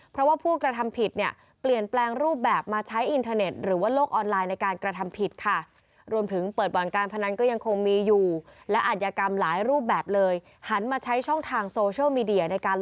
เพราะว่าผู้กระทำผิดเนี่ย